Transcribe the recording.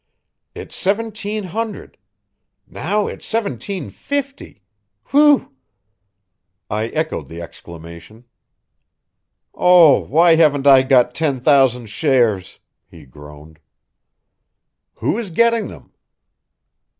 It's seventeen hundred now it's seventeen fifty! Whew!" I echoed the exclamation. "Oh, why haven't I got ten thousand shares?" he groaned. "Who is getting them?"